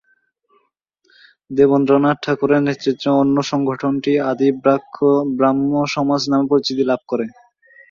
দেবেন্দ্রনাথ ঠাকুরের নেতৃত্বে অন্য সংগঠনটি আদি ব্রাহ্ম সমাজ নামে পরিচিতি লাভ করে।